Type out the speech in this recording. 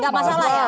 gak masalah ya